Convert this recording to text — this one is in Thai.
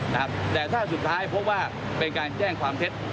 แต่ท่าสุดท้ายหากมีการแจ้งความเท็จ